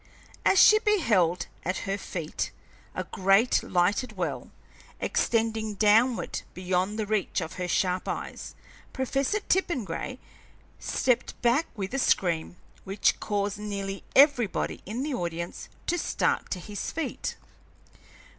As she beheld at her feet a great lighted well, extending downward beyond the reach of her sharp eyes, Professor Tippengray stepped back with a scream which caused nearly everybody in the audience to start to his feet.